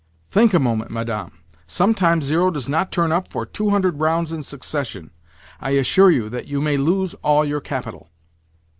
"Think a moment, Madame. Sometimes zero does not turn up for two hundred rounds in succession. I assure you that you may lose all your capital."